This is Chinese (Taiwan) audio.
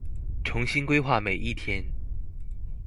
重新規劃每一天